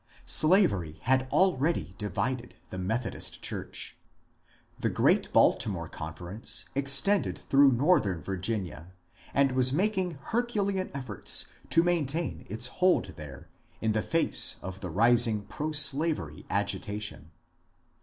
Slavery had already divided the Methodist Church. The great Baltimore Conference extended through northern Virginia and was making herculean efforts to maintain its hold there in the face of the rising proslavery agitation.